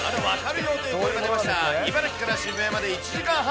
茨城から渋谷まで１時間半。